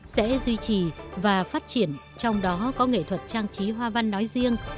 sẽ duy trì và phát triển trong đó có nghệ thuật trang trí hoa văn nói riêng